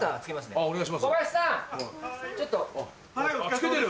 つけてる！